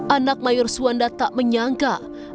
anak mayor suwanda tak menyangka ayahnya pergi secepat ini